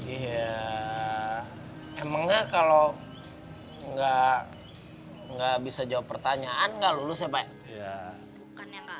iya emang nggak kalau enggak nggak bisa jawab pertanyaan gak lulus ya pak ya